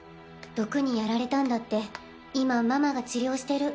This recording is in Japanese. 毒にやられたんだって今ママが治療してる。